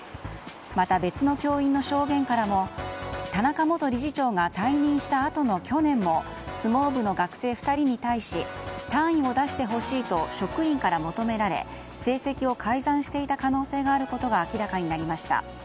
また、別の教員の証言からも田中元理事長が退任したあとの去年も相撲部の学生２人に対し単位を出してほしいと職員から求められ成績を改ざんしていた可能性があることが明らかになりました。